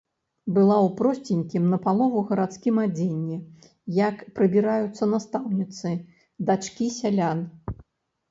Была ў просценькім, напалову гарадскім адзенні, як прыбіраюцца настаўніцы, дачкі сялян.